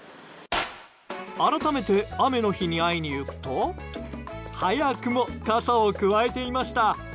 改めて、雨の日に会いに行くと早くも傘をくわえていました。